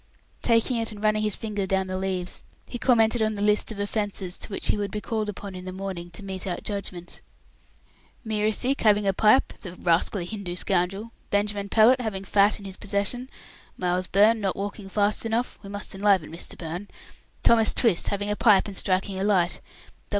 Taking it and running his finger down the leaves, he commented on the list of offences to which he would be called upon in the morning to mete out judgment. "Meer a seek, having a pipe the rascally Hindoo scoundrel! Benjamin Pellett, having fat in his possession. Miles Byrne, not walking fast enough. We must enliven Mr. Byrne. Thomas Twist, having a pipe and striking a light.